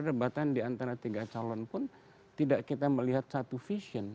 perdebatan diantara tiga calon pun tidak kita melihat satu vision